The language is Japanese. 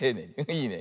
いいね。